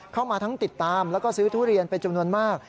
เข้ามาทั้งติดตามแล้วก็ซื้อทุเรียนเป็นจำนวนมาก